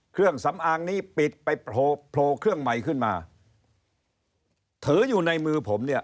เครื่องสำอางนี้ปิดไปโผล่โผล่เครื่องใหม่ขึ้นมาถืออยู่ในมือผมเนี่ย